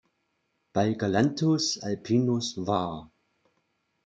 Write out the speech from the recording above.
Bei "Galanthus alpinus" var.